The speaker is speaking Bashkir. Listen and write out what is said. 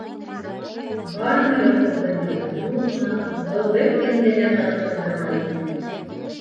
Бармы Яҡуп донъяла, юҡмы - был бер кемде лә ҡыҙыҡһындырмай ине.